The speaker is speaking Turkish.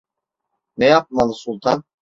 Ne yapmalı Sultan?